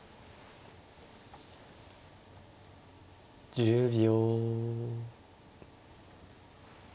１０秒。